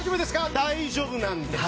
大丈夫なんです！